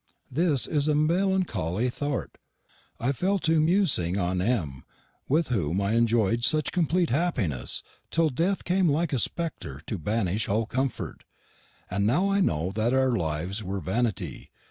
This is a maloncally thort! I fell to mewsing on M., with hoom I injoy'd such compleat happyness, tel Deth came like a spekter to bannish all comforte. And now I knowe that our lives wear vainity.